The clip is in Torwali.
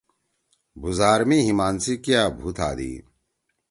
بُھوزار می ہِمان سی کیا بُھو تھادی۔